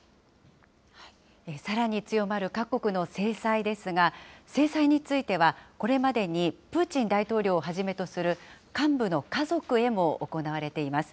さらに強まる各国の制裁ですが、制裁についてはこれまでにプーチン大統領をはじめとする幹部の家族へも行われています。